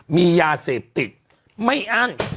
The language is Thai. มียาเสพติดไม่อั้น